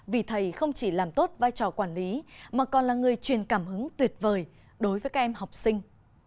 vì thầy không chỉ làm tốt vai trò quản lý mà còn là người truyền cảm hứng tuyệt vời đối với các em học sinh